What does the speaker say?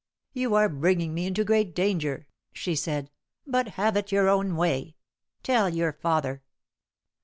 "You are bringing me into great danger," she said; "but have it your own way. Tell your father."